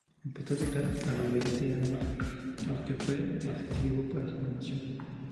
Empezó a viajar a los veinte años, lo que fue decisivo para su formación.